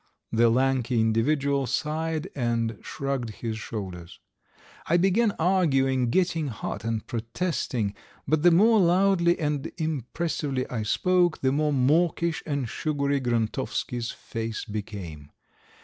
The lanky individual sighed and shrugged his shoulders. I began arguing, getting hot and protesting, but the more loudly and impressively I spoke the more mawkish and sugary Grontovsky's face became.